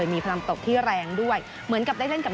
มีพลังตกที่แรงด้วยเหมือนกับได้เล่นกับ